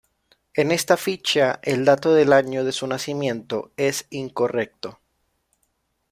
En esta ficha, el dato del año de su nacimiento es incorrecto.